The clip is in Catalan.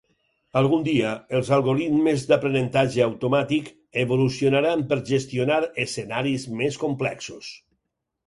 Algun dia, els algoritmes d'aprenentatge automàtic evolucionaran per gestionar escenaris més complexos.